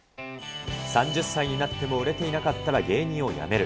３０歳になっても売れていなかったら芸人をやめる。